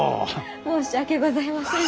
申し訳ございません。